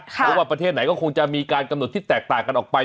เพราะว่าประเทศไหนก็คงจะมีการกำหนดที่แตกต่างกันออกไป